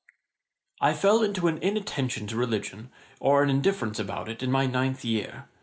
'I fell into an inattention to religion, or an indifference about it, in my ninth year.